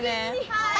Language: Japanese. はい。